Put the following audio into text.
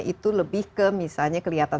itu lebih ke misalnya kelihatan